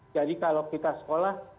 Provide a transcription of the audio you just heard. jadi kalau kita sekolah